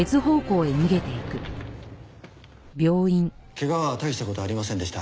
怪我は大した事ありませんでした。